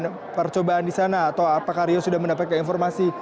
dan percobaan di sana atau apakah rio sudah mendapatkan informasi